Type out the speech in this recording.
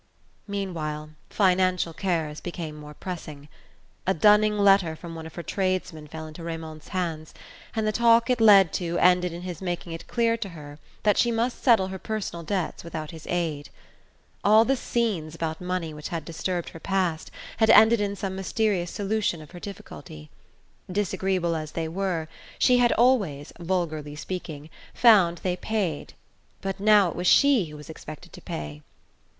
Meanwhile financial cares became more pressing. A dunning letter from one of her tradesmen fell into Raymond's hands, and the talk it led to ended in his making it clear to her that she must settle her personal debts without his aid. All the "scenes" about money which had disturbed her past had ended in some mysterious solution of her difficulty. Disagreeable as they were, she had always, vulgarly speaking, found they paid; but now it was she who was expected to pay.